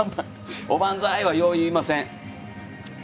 おばんざい！はよう言いません。